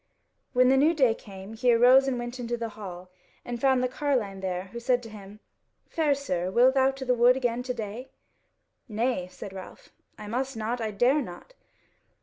When the new day came he arose and went into the hall, and found the carline there, who said to him, "Fair sir, will thou to the wood again to day?" "Nay," said Ralph, "I must not, I dare not."